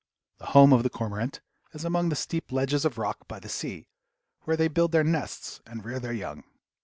The home of the cormorant is among the steep ledges of rock by the sea, where they build their nests and rear their young.